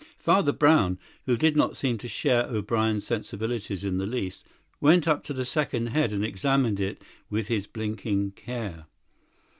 Father Brown, who did not seem to share O'Brien's sensibilities in the least, went up to the second head and examined it with his blinking care.